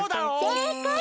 せいかい！